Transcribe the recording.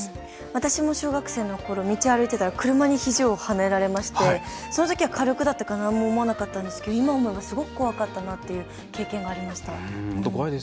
私も小学生のころ道を歩いてたら車にひじをはねられましてそのときは軽くだったから何も思わなかったんですけど今思えばすごく怖かったなという経験がありました。